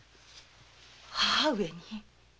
母上に？